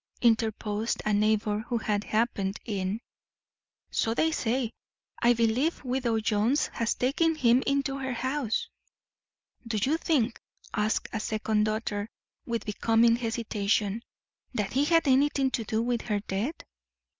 interposed a neighbour who had happened in. "So they say. I believe widow Jones has taken him into her house." "Do you think," asked a second daughter with becoming hesitation, "that he had anything to do with her death?